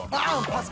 パス！